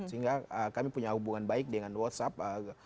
sehingga kami punya hubungan baik dengan whatsapp